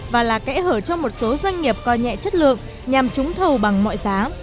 và là kẽ hở cho một số doanh nghiệp coi nhẹ chất lượng nhằm trúng thầu bằng mọi giá